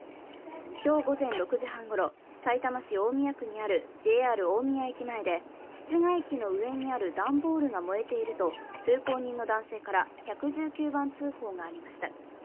今日午前６時半ごろ、さいたま市大宮区にあるＪＲ大宮駅前で室外機の上にある段ボールが燃えていると通行人の男性から１１９番通報がありました。